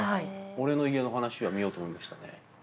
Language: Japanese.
「俺の家の話」は見ようと思いましたね。